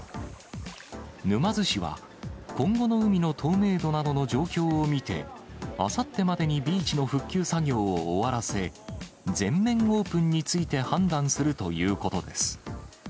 沼津市は、今後の海の透明度などの状況を見て、あさってまでにビーチの復旧作業を終わらせ、全面オープンについて判断するということです。